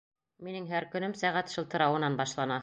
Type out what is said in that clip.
Минең һәр көнөм сәғәт шылтырауынан башлана.